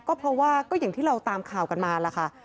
ก็เพราะว่าก็อย่างที่เราตามข่าวกันมาล่ะค่ะ